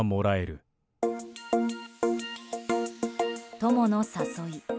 友の誘い。